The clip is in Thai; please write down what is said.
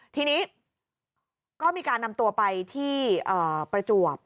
ทีนี้ก็มีการนำตัวไปที่ประจวบ